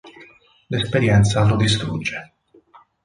L'esperienza lo distrugge.